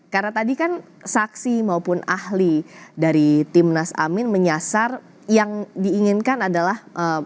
karena tadi kan saksi maupun ahli dari timnas amin menyasar yang diinginkan adalah